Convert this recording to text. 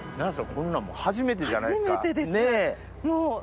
こんなんも初めてじゃないですか？